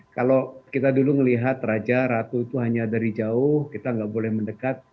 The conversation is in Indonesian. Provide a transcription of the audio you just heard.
kalau kita dulu melihat raja ratu itu hanya dari jauh kita nggak boleh mendekat